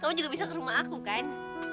kamu juga bisa ke rumah aku kan